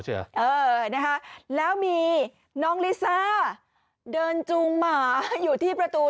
เออนะคะแล้วมีน้องลิซ่าเดินจูงหมาอยู่ที่ประตู